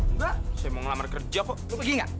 enggak saya mau ngelamar kerja kok lu pergi gak